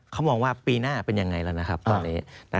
เขามองว่าปีหน้าเป็นยังไงแล้วนะครับตอนนี้